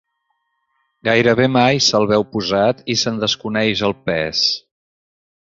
Gairebé mai se'l veu posat i se'n desconeix el pes.